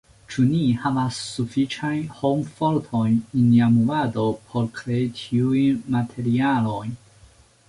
Ĉu ni havas sufiĉajn hom-fortojn en nia movado por krei tiujn materialojn?